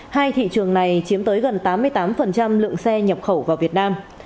hai thị trường này chiếm tới gần tám mươi tám lượng xe nhập khẩu vào việt nam